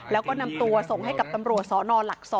แล้วก็นำตัวส่งให้กับตำรวจสนหลัก๒